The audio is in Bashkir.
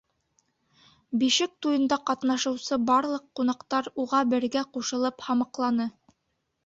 Бишек туйында ҡатнашыусы барлыҡ ҡунаҡтар уға бергә ҡушылып һамаҡланы: